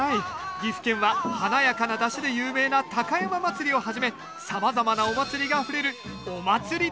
岐阜県は華やかな山車で有名な高山祭をはじめさまざまなお祭りがあふれるお祭り大国だと思うんですよね